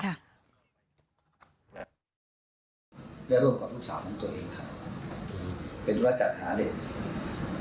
ได้ร่วมกับลูกสาวของตัวเองครับเป็นธุระจัดหาเด็ก